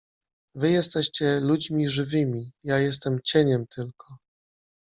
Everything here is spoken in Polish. Wy jesteście ludźmi żywymi… ja jestem cieniem tylko.